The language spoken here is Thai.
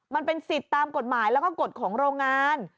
มันเป็นสิทธิ์ตามกฎหมายแล้วก็กฎของโรงงาน